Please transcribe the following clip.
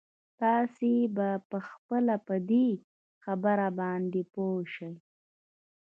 تاسې به خپله په دې خبره باندې پوه شئ.